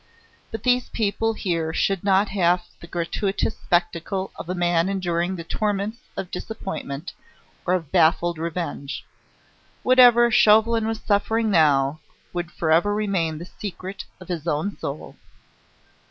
But these people here should not have the gratuitous spectacle of a man enduring the torments of disappointment and of baffled revenge. Whatever Chauvelin was suffering now would for ever remain the secret of his own soul.